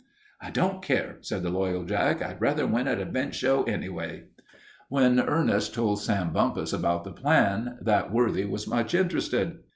"I don't care," said the loyal Jack. "I'd rather win at a bench show, anyway." When Ernest told Sam Bumpus about the plan, that worthy was much interested.